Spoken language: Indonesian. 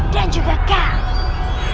dan juga kau